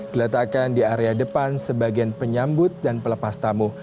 diletakkan di area depan sebagai penyambut dan pelepas tamu